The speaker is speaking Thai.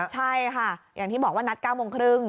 ใช่ค่ะอย่างที่บอกว่านัด๙โมงครึ่ง